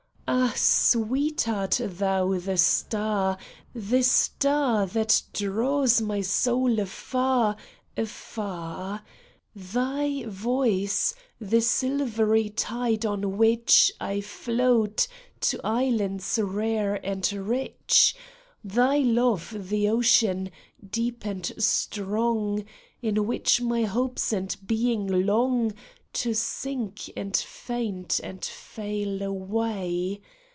Ah, sweet, art thou the star, the star That draws my soul afar, afar ? Thy voice the silvery tide on which I float to islands rare and rich ? Thy love the ocean, deep and strong, In which my hopes and being long To sink and faint and fail away